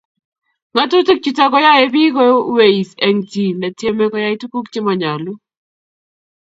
ngatutik chutok ko yae piik koyweis eng' chii netiemei koyai tuguk che manyalu